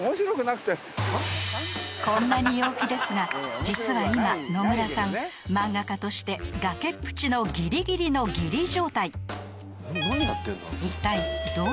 ［こんなに陽気ですが実は今のむらさん漫画家として崖っぷちのギリギリのギリ状態］